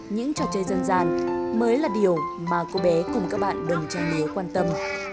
những trò chơi dân gian mới là điều mà cô bé cùng các bạn đồng trái mía quan tâm